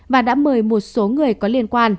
và đã mời một số người có liên quan